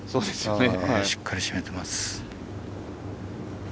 しっかり締めてます。